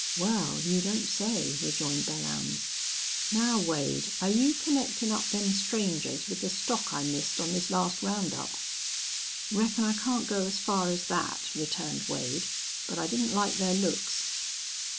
"Wal, you don't say!" rejoined Belllounds. "Now, Wade, are you connectin' up them strangers with the stock I missed on this last round up?" "Reckon I can't go as far as that," returned Wade. "But I didn't like their looks."